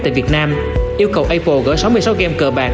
tại việt nam yêu cầu apple sáu mươi sáu game cờ bạc